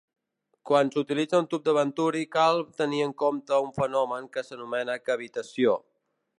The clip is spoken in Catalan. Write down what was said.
Quan s'utilitza un tub de Venturi cal tenir en compte un fenomen que s'anomena cavitació.